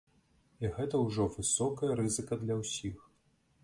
А гэта ўжо высокая рызыка для ўсіх.